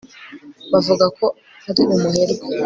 Bavuga ko ari umuherwe